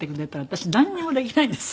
私なんにもできないんです。